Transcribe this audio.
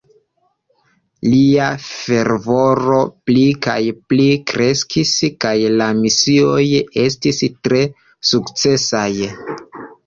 Lia fervoro pli kaj pli kreskis kaj la misioj estis tre sukcesaj.